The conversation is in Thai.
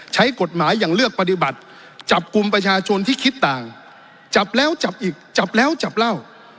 ใช้กฎหมายอย่างเลือกปฏิบัติจับกลุ่มประชาชนที่คิดต่างจับแล้วจับอีกจับแล้วจับเล่า